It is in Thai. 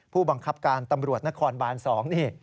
ผู้บังคับการตำรวจนครบาน๒นี่